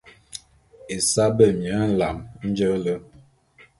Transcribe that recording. Esaé bemie nlame nje le.